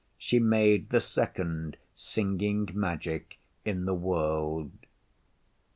She made the Second Singing Magic in the world.